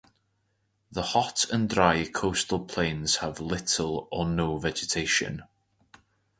The hot and dry coastal plains have little or no vegetation.